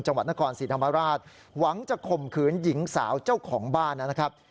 จังหวัดนครศรีธรรมราชหวังจะข่มขืนหญิงสาวเจ้าของบ้านนะครับ